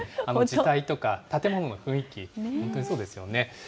時代とか、建物の雰囲気、本当にそうですよね。